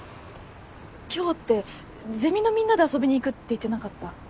今日ってゼミのみんなで遊びに行くって言ってなかった？